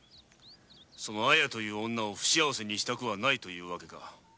その綾という女を不幸にしたくないという訳か。